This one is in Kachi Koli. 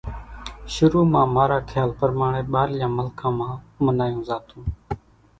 شرو مان مارا کيال پرماڻي ٻارليان ملڪان مان منايون زاتون